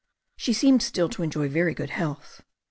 She seemed still to enjoy very good health.